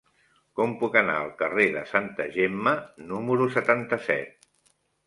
Com puc anar al carrer de Santa Gemma número setanta-set?